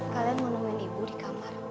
kalian mau nemuin ibu di kamar